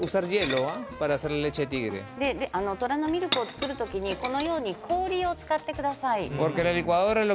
虎のミルクを作る時にこのように氷を使ってください。